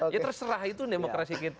ya terserah itu demokrasi kita